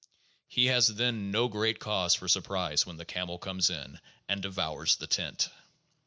He has then no great cause for surprise when the camel comes in — and devours the tent.